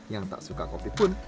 yang tak suka kopi pun